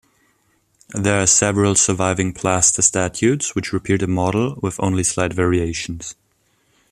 There are several surviving plaster statues which repeat a model with only slight variations.